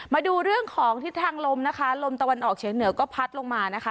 มาดูเรื่องของทิศทางลมนะคะลมตะวันออกเฉียงเหนือก็พัดลงมานะคะ